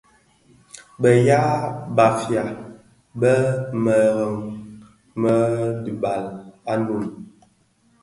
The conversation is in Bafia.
Bë ya Bafia bi mëree më dhibal a Noun.